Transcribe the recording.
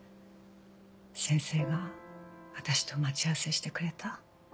「先生が私と待ち合わせしてくれた。